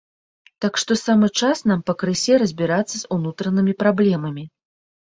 Так што самы час нам пакрысе разбірацца з унутранымі праблемамі.